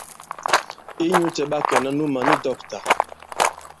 Inyū cɛ̄ ɓa kɛnā ànu mǎn i dɔ̂kta ?